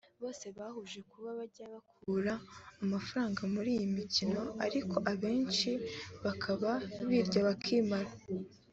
bose bahurije ku kuba bajya bakura amafaranga muri iyi mikino ariko abenshi bakaba birya bakimara